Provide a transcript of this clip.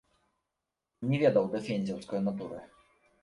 Не ведаў дэфензіўскай натуры.